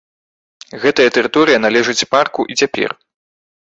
Гэтая тэрыторыя належыць парку і цяпер.